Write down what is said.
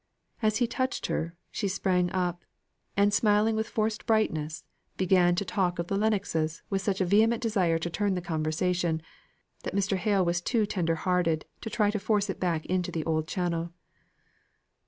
As he touched her, she sprang up, and smiling with forced brightness, began to talk of the Lennoxes with such a vehement desire to turn the conversation, that Mr. Hale was too tender hearted to try to force it back into the old channel.